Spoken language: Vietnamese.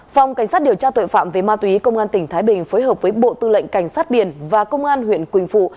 phòng cảnh sát điều tra tội phạm về ma túy công an tỉnh thái bình phối hợp với bộ tư lệnh cảnh sát biển và công an huyện quỳnh phụ